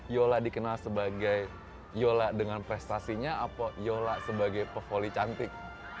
yola dikenal sebagai yola dengan prestasinya apo yola sebagai pevoli cantik